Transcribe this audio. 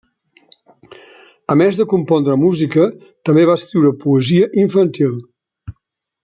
A més de compondre música, també va escriure poesia infantil.